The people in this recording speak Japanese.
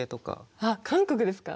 あっ韓国ですか。